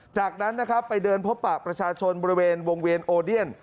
จากนั้นนะครับไปเดินพบปะประชาชนบริเวณวงเวียนโอเดียน